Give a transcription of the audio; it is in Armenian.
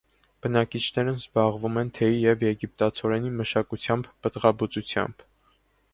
Բնակիչներն զբաղվում են թեյի և եգիպտացորենի մշակությամբ, պտղաբուծությամբ։